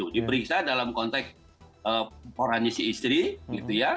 diperiksa dalam konteks poranya si istri